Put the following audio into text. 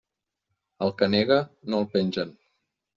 Al que nega, no el pengen.